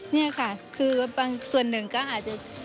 นี่ค่ะคือบางส่วนหนึ่งก็อาจจะ